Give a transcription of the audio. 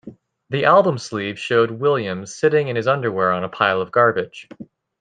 The album sleeve showed Williams sitting in his underwear on a pile of garbage.